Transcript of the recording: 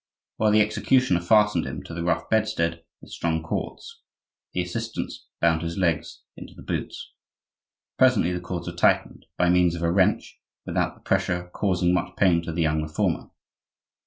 While the executioner fastened him to the rough bedstead with strong cords, the assistants bound his legs into the "boots." Presently the cords were tightened, by means of a wrench, without the pressure causing much pain to the young Reformer.